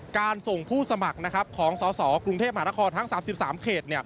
การส่งผู้สมัครของสสกรุงเทพมหานครทั้ง๓๓เขต